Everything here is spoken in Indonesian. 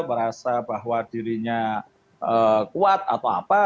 merasa bahwa dirinya kuat atau apa